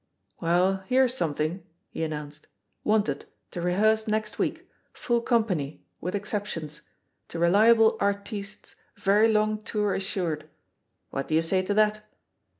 "Well, here's something,'* he announced. *'*Wanted, to rehearse next week. Full Com pany (with exceptions) • To reliable artistes very long tour assured/ .What do you say to that?''